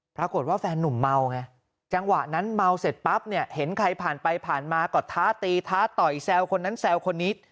แฟนนุ่มเมาไงจังหวะนั้นเมาเสร็จปั๊บเนี่ยเห็นใครผ่านไปผ่านมากอดท้าตีท้าต่อยแซวคนนั้นแซวคนนี้